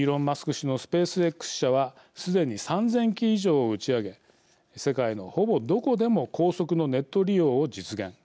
氏のスペースＸ社はすでに３０００機以上を打ち上げ世界のほぼ、どこでも高速のネット利用を実現